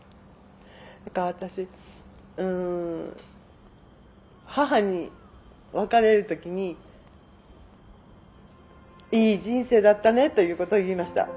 だから私うん母に別れる時にいい人生だったねということを言いました。